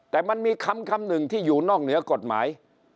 แต่มันมีคำหนึ่งที่อยู่นอกเหนือกฎหมาย